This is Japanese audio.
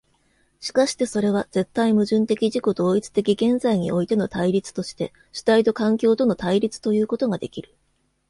しかしてそれは絶対矛盾的自己同一的現在においての対立として主体と環境との対立ということができる。